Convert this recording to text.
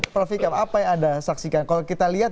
prof vikam apa yang anda saksikan kalau kita lihat